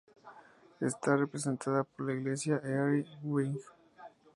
Está representada por la agencia Early Wing.